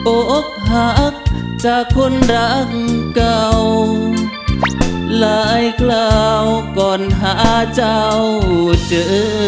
อกหักจากคนรักเก่าหลายคราวก่อนหาเจ้าเจอ